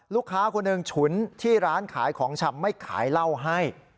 ลูกค้าคนหนึ่งฉุนที่ร้านขายของชำไม่ขายเหล้าให้